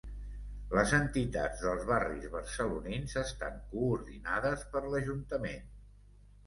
Les entitats dels barris barcelonins estan coordinades per l'Ajuntament.